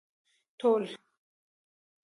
ټول